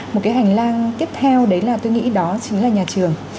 một cái hành lang tiếp theo đấy là tôi nghĩ đó chính là nhà trường